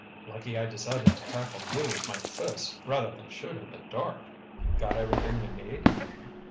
"Lucky I decided to tackle you with my fists rather than shoot in the dark! Got everything you need?"